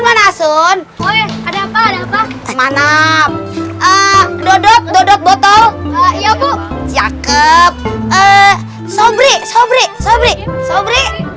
kemana sun ada apa apa semana dodot dodot botol ya bu cakep eh sobri sobri sobri sobri